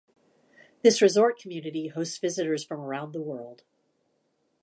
This resort community hosts visitors from around the world.